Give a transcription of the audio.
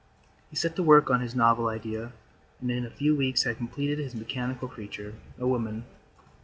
He set to work on his novel idea and in a few weeks had completed his mechanical creature, a woman.